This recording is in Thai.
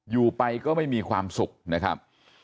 อยู่ไปก็ไม่มีความสุขนะครับ